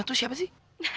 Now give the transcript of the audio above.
itu siapa sih